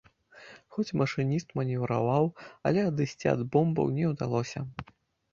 Хоць машыніст манеўраваў, але адысці ад бомбаў не ўдалося.